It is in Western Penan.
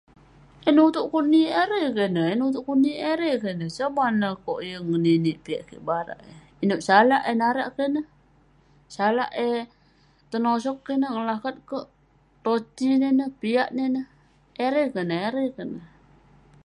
Yah nutouk kuk nik erei keh ineh, Yah nutouk kuk nik erei keh ineh, Yah nutouk kuk nik erei keh ineh. Somah neh kouk yeng ninik piak kik barak, inouk salak eh narak kek neh. Salak eh tenosog kek neh, ngelakat kek. [unintelligible] Erei kek neh, Erei kek neh.